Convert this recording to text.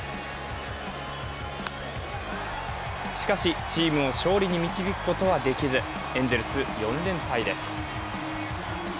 しかし、チームを勝利に導くことはできずエンゼルス、４連敗です。